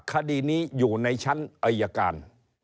คดีนี้อยู่ในชั้นอายการ